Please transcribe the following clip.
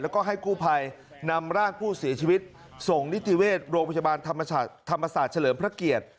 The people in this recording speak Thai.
แล้วก็ให้กู้ภัยนำร่างผู้เสียชีวิตส่งนิติเวชโรงพยาบาลธรรมศาสตร์เฉลิมพระเกียรติ